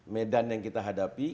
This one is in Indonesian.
medan yang kita hadapi